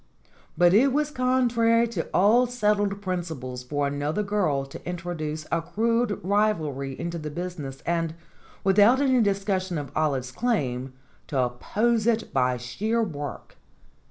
But it was contrary to all settled principles for another girl to introduce a crude rivalry into the business, and, without any discussion of Olive's claim, to oppose it by sheer work.